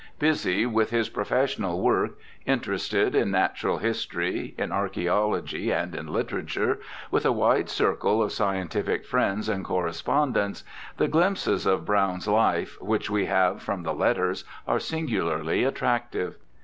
Busy with his professional work, interested in natural history, in archaeology, and in literature, with a wide circle of scientific friends and correspondents, the glimpses of Browne's life, which we have from the letters, are singularly attractive.